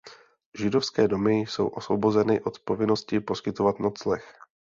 Židovské domy jsou osvobozeny od povinnosti poskytovat nocleh.